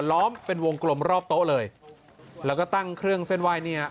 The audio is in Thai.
ล้อมเป็นวงกลมรอบโต๊ะเลยแล้วก็ตั้งเครื่องเส้นไหว้เนี่ย